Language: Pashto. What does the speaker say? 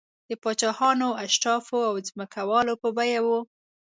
د پاچاهانو، اشرافو او ځمکوالو په بیه و